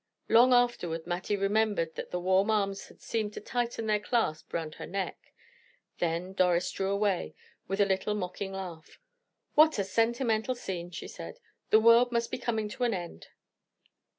Long afterward Mattie remembered that the warm arms had seemed to tighten their clasp round her neck; then Doris drew away, with a little mocking laugh. "What a sentimental scene!" she said; "the world must be coming to an end."